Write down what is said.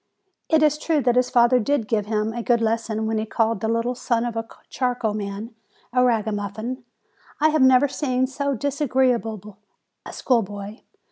It is true that his father did give him a good lesson when he called the little son of the charcoal man a ragamuffin. I have never seen so dis agreeable a schoolboy